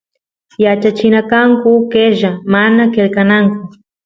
yachachina kanku qella mana qelqananku